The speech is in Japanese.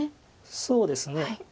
そうですねはい。